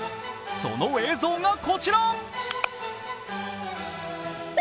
その映像がこちら。